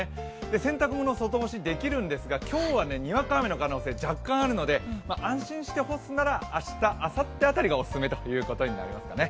洗濯物、外干しできるんですが今日はにわか雨の可能性が若干あるので、安心して干すなら明日、あさって辺りがおすすめとなりますね。